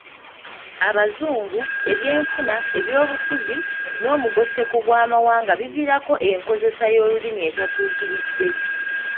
Abazungu, ebyenfuna, ebyobufuzi n'omugotteko gw'amawanga biviirako enkozesa y'olulimi etatuukiridde.